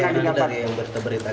ya itu dari yang berita berita